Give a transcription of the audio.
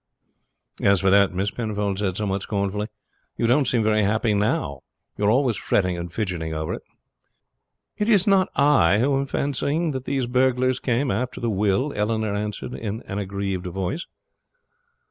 "As for that," Miss Penfold said somewhat scornfully, "you don't seem very happy now. You are always fretting and fidgeting over it." "It is not I who am fancying that these burglars came after the will," Eleanor answered in an aggrieved voice.